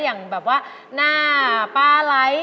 อย่างว่าน่าปลาไลท์